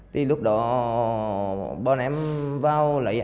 từ lúc đó bọn em vào lấy